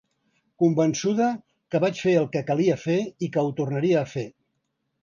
Convençuda que vaig fer el que calia fer i que ho tornaria a fer.